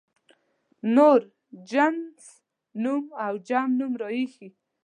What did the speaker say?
نور جنس نوم او جمع نوم راښيي.